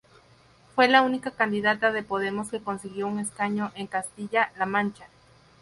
Fue la única candidata de Podemos que consiguió un escaño en Castilla-La Mancha.